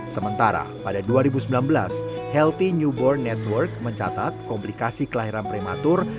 sementara pada dua ribu sembilan belas healthy newbor network mencatat komplikasi kelahiran prematur